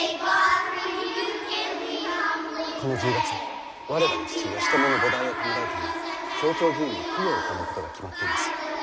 この１０月我らが父義朝の菩提を弔うため勝長寿院で供養を行うことが決まっています。